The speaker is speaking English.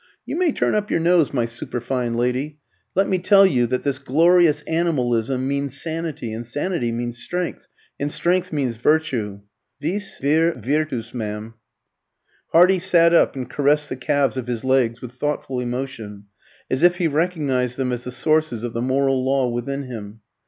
You may turn up your nose, my superfine lady: let me tell you that this glorious animalism means sanity, and sanity means strength, and strength means virtue. Vis vir virtus, ma'am." Hardy sat up and caressed the calves of his legs with thoughtful emotion, as if he recognised them as the sources of the moral law within him.